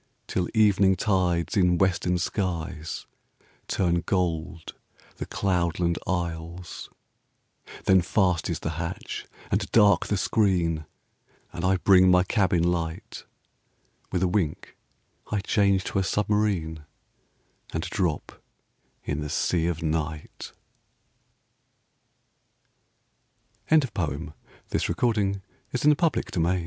Till evening tides in western skies Turn gold the cloudland isles; Then fast is the hatch and dark the screen. And I bring my cabin light; With a wink I change to a submarine And drop in the sea of Night, WAR IN THE NORTH Not from Mars and not from Thor C